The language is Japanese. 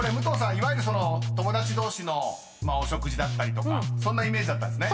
いわゆる友達同士のお食事だったりとかそんなイメージだったんですね］